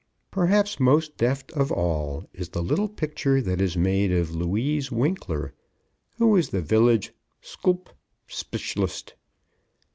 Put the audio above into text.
Perhaps most deft of all is the little picture that is made of Louise Winkler, who is the village "sclp spclst."